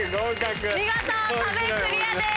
見事壁クリアです。